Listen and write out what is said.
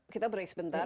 kita break sebentar